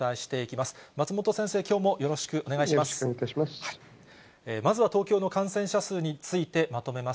まずは、東京の感染者数についてまとめます。